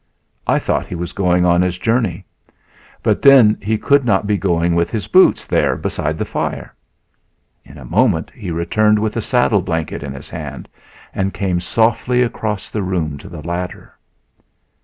I thought he was going on his journey; but then he could not be going with his boots there beside the fire. In a moment he returned with a saddle blanket in his hand and came softly across the room to the ladder.